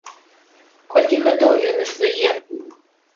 Колькі гадоў ён існуе!